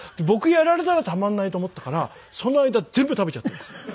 僕やられたらたまんないと思ったからその間全部食べちゃったんですよ。